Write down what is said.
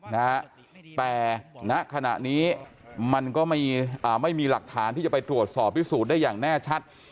แต่ในขณะนี้มันก็ไม่มีหลักฐานที่จะไปตรวจสอบพิสูจน์ได้อย่างแน่ชัด